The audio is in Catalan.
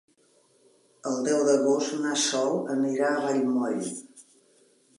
El deu d'agost na Sol anirà a Vallmoll.